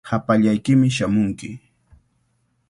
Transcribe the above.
Hapallaykimi shamunki.